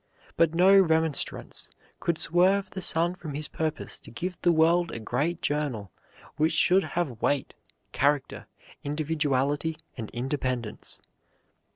But no remonstrance could swerve the son from his purpose to give the world a great journal which should have weight, character, individuality, and independence.